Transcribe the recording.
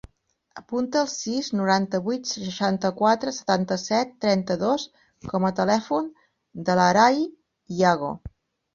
Apunta el sis, noranta-vuit, seixanta-quatre, setanta-set, trenta-dos com a telèfon de l'Aray Yago.